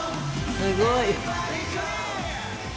すごい！